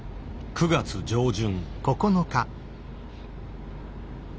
９月上旬。